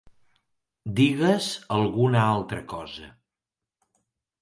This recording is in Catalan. Digues alguna altra cosa.